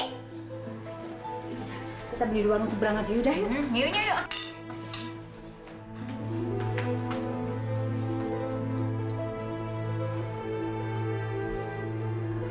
kita beli dua yang seberang aja yuk